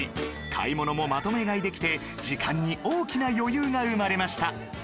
買い物もまとめ買いできて時間に大きな余裕が生まれました